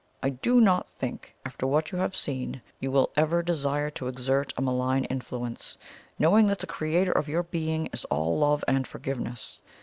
I do not think, after what you have seen, you will ever desire to exert a malign influence, knowing that the Creator of your being is all love and forgiveness.